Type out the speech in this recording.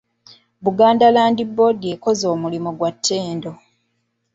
Buganda Land Board ekoze omulimu gwa ttendo.